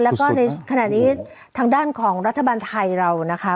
แล้วก็ในขณะนี้ทางด้านของรัฐบาลไทยเรานะคะ